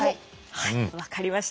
はい分かりました。